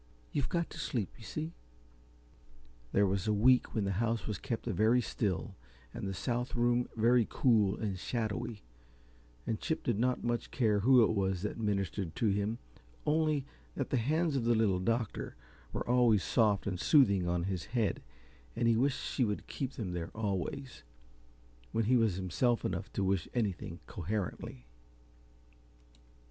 You've got to sleep, you see." There was a week when the house was kept very still, and the south room very cool and shadowy, and Chip did not much care who it was that ministered to him only that the hands of the Little Doctor were always soft and soothing on his head and he wished she would keep them there always, when he was himself enough to wish anything coherently.